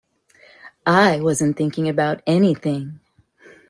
I wasn't thinking about anything.